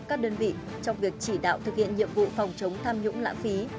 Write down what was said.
các đơn vị trong việc chỉ đạo thực hiện nhiệm vụ phòng chống tham nhũng lãng phí